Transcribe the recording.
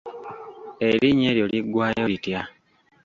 Erinnya eryo liggwaayo litya?